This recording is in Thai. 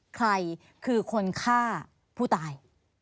ใครคือคนฆ่าผู้ตาย